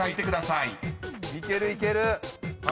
いけるいける！